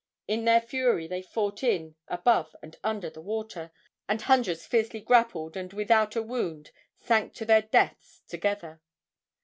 In their fury they fought in, above and under the water, and hundreds fiercely grappled and without a wound sank to their deaths together.